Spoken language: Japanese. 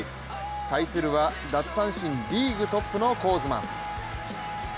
対するは奪三振リーグトップのコーズマン。